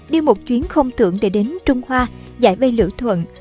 đi một chuyến không tượng để đến trung hoa giải vây lửa thuận